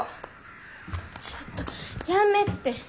ちょっとやめって。